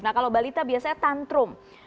nah kalau balita biasanya tantrum